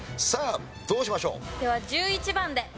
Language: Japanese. さあどうしましょう？では１１番で。